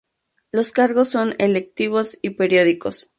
Los cargos son electivos y periódicos.